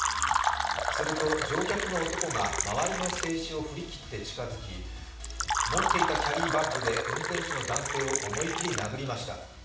すると、乗客の男が周りの制止を振り切って近づき持っていたキャリーバッグで運転手の男性を思い切り殴りました。